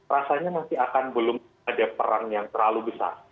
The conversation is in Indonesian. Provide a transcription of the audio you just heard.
rasanya masih akan belum ada perang yang terlalu besar